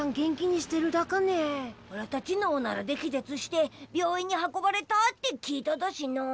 おらたちのおならで気絶して病院に運ばれたって聞いただしな。